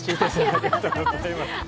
ありがとうございます。